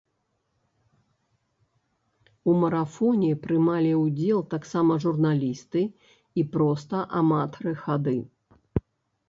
У марафоне прымалі ўдзел таксама журналісты і проста аматары хады.